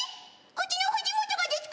うちの藤本がですか？